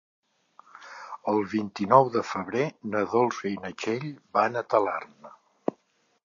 El vint-i-nou de febrer na Dolça i na Txell van a Talarn.